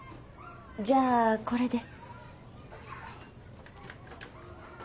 じゃあこれで。